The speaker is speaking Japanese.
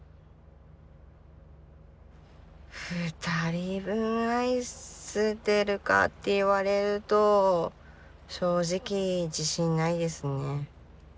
２人分愛せてるかって言われると正直自信ないですね。